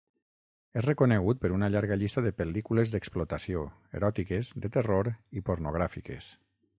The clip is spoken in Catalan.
És reconegut per una llarga llista de pel·lícules d'explotació, eròtiques, de terror i pornogràfiques.